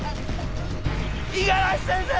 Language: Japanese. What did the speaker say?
五十嵐先生！